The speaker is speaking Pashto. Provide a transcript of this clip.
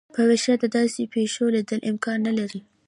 په ویښه د داسي پیښو لیدل امکان نه لري.